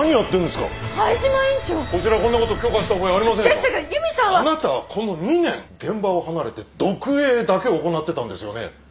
ですが由美さんは。あなたはこの２年現場を離れて読影だけ行ってたんですよね？